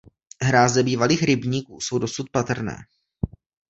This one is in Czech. Hráze bývalých rybníků jsou dosud patrné.